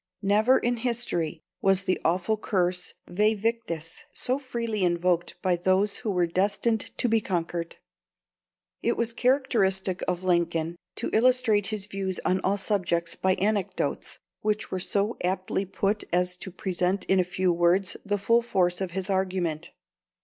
Never in history was the awful curse Væ victis so freely invoked by those who were destined to be conquered. It was characteristic of Lincoln to illustrate his views on all subjects by anecdotes, which were so aptly put as to present in a few words the full force of his argument.